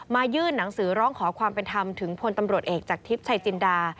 ยื่นหนังสือร้องขอความเป็นธรรมถึงพลตำรวจเอกจากทิพย์ชัยจินดา